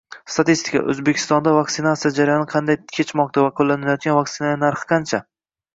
Statistika: O‘zbekistonda vaksinatsiya jarayoni qanday kechmoqda va qo‘llanilayotgan vaksinalarning narxi qancha?